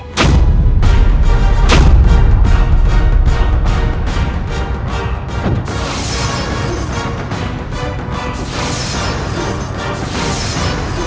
jagad dewa batara